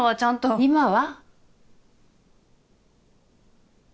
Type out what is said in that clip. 「今は」？